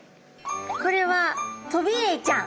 これはトビエイちゃん。